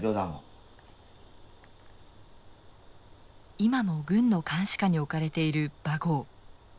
今も軍の監視下に置かれているバゴー。